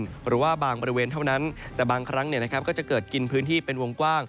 หรือว่าบางบริเวณเท่านั้นแต่บางครั้งก็จะเกิดกินพื้นที่เป็นวงกว้าง